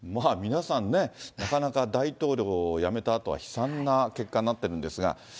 皆さんね、なかなか大統領辞めたあとは悲惨な結果になってるんですが。